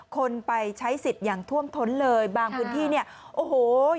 คนไปใช้สิทธิ์อย่างท่วมท้นเลยบางพื้นที่เนี่ยโอ้โห